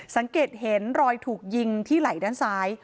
สังเกตเห็นรอยถูกยิงที่ไหล่ด้านซ้าย